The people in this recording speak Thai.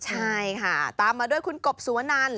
ใช่ค่ะตามมาด้วยคุณกบสุวนัน